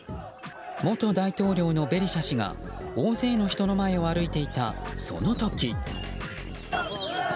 元大統領のベリシャ氏が大勢の人の前を歩いていたその時。